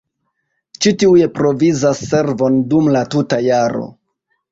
Ĉi tiuj provizas servon dum la tuta jaro.